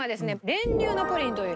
練乳のプリンという。